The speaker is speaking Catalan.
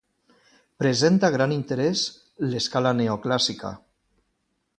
Presenta gran interès l'escala neoclàssica.